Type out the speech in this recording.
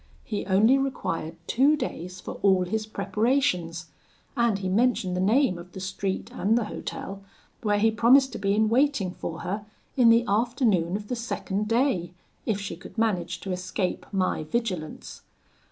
He only required two days for all his preparations, and he mentioned the name of the street and the hotel, where he promised to be in waiting for her in the afternoon of the second day, if she could manage to escape my vigilance.